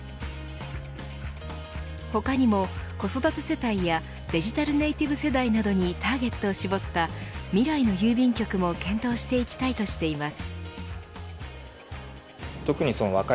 他にも、子育て世代やデジタルネイティブ世代などにターゲットを絞ったみらいの郵便局も検討していきたいとしています。